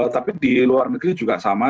tapi di luar negeri juga sama